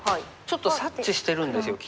ちょっと察知してるんですよ